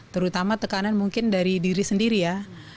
terutama tekanan mungkin dari diri sendiri ya